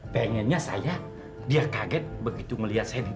pengennya saya dia kaget begitu ngeliat saya di tv